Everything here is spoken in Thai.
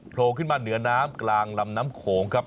โผล่ขึ้นมาเหนือน้ำกลางลำน้ำโขงครับ